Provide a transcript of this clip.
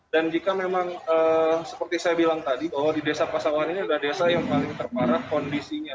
sebenarnya semua yang saya bilang tadi di desa pasauan ini ada desa yang paling terparah kondisinya